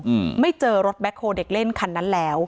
อืมไม่เจอรถแคลเด็กเล่นคันนั้นแล้ว